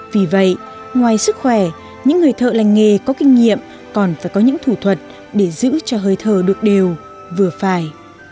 vì vậy ngoài sức khỏe những người thợ lành nghề có kinh nghiệm còn phải có những thủ thuật để giữ cho hơi thở được đều vừa phải